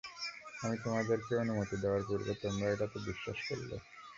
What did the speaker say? আমি তোমাদেরকে অনুমতি দেয়ার পূর্বে তোমরা এটাতে বিশ্বাস করলে?